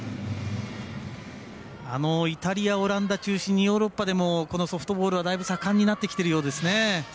あのイタリア、オランダ中心にこのヨーロッパでもこのソフトボールはだいぶ盛んになってきているようですね。